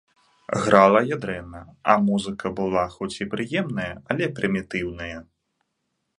Грала я дрэнна, а музыка была хоць і прыемная, але прымітыўная.